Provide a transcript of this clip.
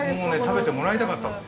食べてもらいたかったもん。